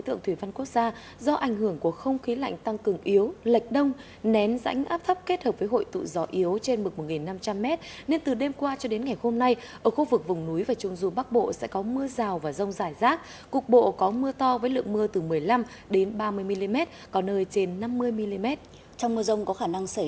trong mưa rông có khả năng xảy ra lốc xét mưa đá và gió giật mạnh